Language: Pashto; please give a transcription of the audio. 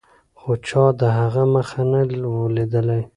خو چا د هغه مخ نه و لیدلی.